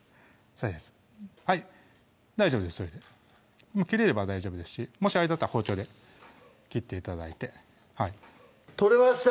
はい大丈夫ですそれで切れれば大丈夫ですしもしあれだったら包丁で切って頂いて取れました！